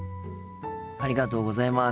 ありがとうございます。